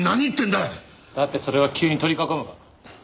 だってそれは急に取り囲むから。